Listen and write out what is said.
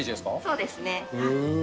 そうですね。